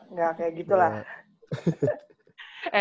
nggak kayak gitu lah